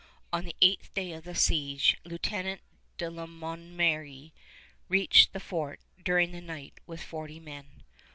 On the eighth day of the siege Lieutenant de La Monnerie reached the fort during the night with forty men.